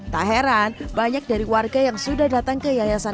tak heran banyak dari warga yang sudah datang ke yayasan